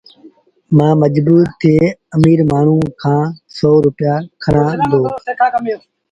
مآ مجبور ٿئي وري اميٚر مآڻهوٚٚݩ کآݩ سو روپيآ کڻي آئيٚ